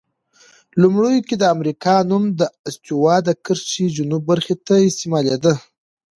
لومړیو کې د امریکا نوم د استوا د کرښې جنوب برخې ته استعمالیده.